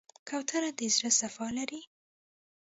کوتره د زړه صفا لري.